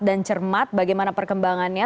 dan cermat bagaimana perkembangannya